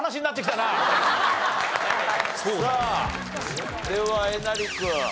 さあではえなり君。